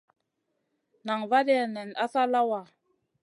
Nan vaadia nen asa lawa.